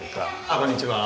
こんにちは。